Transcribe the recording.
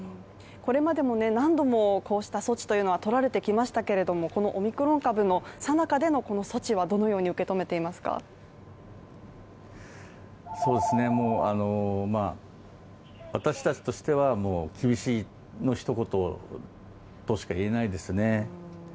これまでもね何度もうこうした措置というのはとられてきましたけれどもこのオミクロン株の最中でのこの措置はどのように受け止めていますかもう私達としてはもう厳しいの一言としか言えないですね。